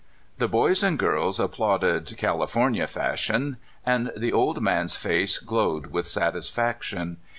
The boys and girls applauded California fashion, and the old man's face o:lowed with satisfaction.